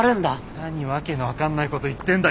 何訳の分かんないこと言ってんだ。